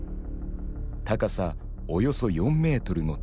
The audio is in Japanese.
高さおよそ４メートルの塔。